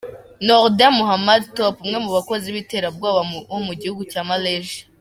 Noordin Mohammad Top, umwe mu bakozi b’iterabwoba wo mu gihugu cya Malaysia.